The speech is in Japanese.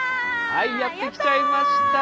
はいやって来ちゃいました。